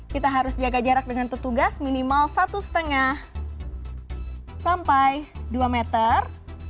kita harus jaga jarak dengan petugas minimal satu lima sampai dua meter